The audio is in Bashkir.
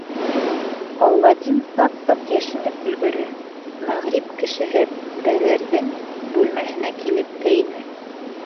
Аладдин саҡ-саҡ йәшенеп өлгөрә, мәғриб кешеһе Бәҙәрҙең бүлмәһенә килеп тә инә.